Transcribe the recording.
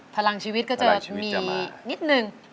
พลังชีวิตก็จะมีนิดนึงพลังชีวิตจะมา